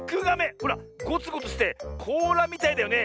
ほらゴツゴツしてこうらみたいだよね？